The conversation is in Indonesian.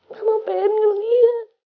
mama pengen ngelih ya